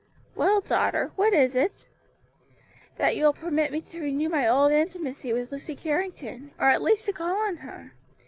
"Well, daughter, what is it?" "That you will permit me to renew my old intimacy with Lucy Carrington; or at least to call on her.